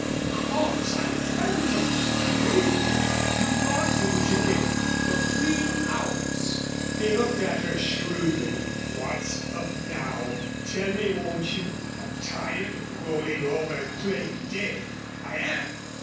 "Because I tell you so, stupid! You've got to lose your way for three hours." He looked at her shrewdly. "What's up now? Tell me, won't you? I'm tired of rolling over and playing dead. I am.